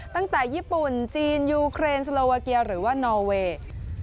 ตั้งแต่ญี่ปุ่นจีนยูเครนสโลวาเกียหรือว่านอเวย์